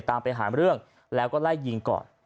ตามไปหาเรื่องแล้วก็ไล่ยิงก่อน